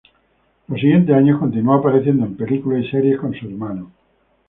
Los siguientes años, continuó apareciendo en películas y series con su hermano.